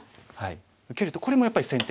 受けるとこれもやっぱり先手。